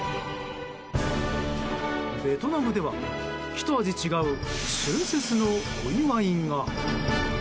ベトナムではひと味違う春節のお祝いが。